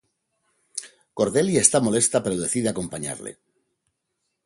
Cordelia está molesta pero decide acompañarle.